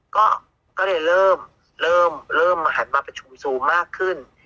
ก็ก็เลยเริ่มเริ่มเริ่มหันมาประชุมซูมมากขึ้นอืม